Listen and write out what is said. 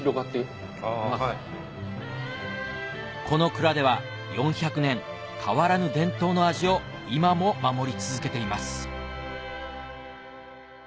この蔵では４００年変わらぬ伝統の味を今も守り続けています